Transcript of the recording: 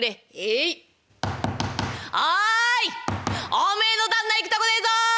おめえの旦那行くとこねえぞ！